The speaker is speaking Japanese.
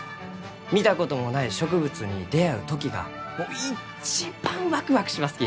見たこともない植物に出会う時が一番ワクワクしますき！